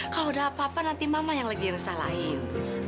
kalau udah apa apa nanti mama yang lagi ngesalahin